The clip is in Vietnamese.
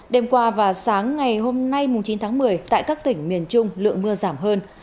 đêm qua và sáng ngày hôm nay chín tháng một mươi tại các tỉnh miền trung lượng mưa giảm hơn